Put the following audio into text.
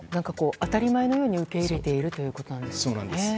当たり前のように受け入れているということなんですね。